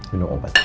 ini umpat ya